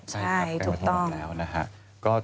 ใช่ถูกต้องแล้วนะฮะก็